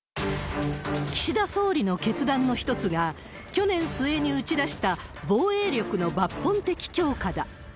岸田総理の決断の一つが、去年末に打ち出した防衛力の抜本的強化だ。